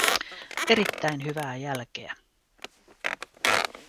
Erittäin hyvää jälkeä.